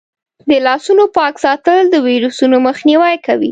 د لاسونو پاک ساتل د ویروسونو مخنیوی کوي.